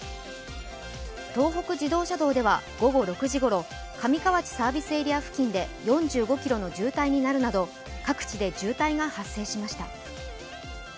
東北自動車道では午後６時ごろ、上河内サービスエリアで４５ｋｍの渋滞になるなど、各地で渋滞が発生しました。